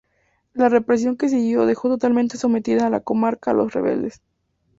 La represión que siguió dejó totalmente sometida a la comarca a los rebeldes.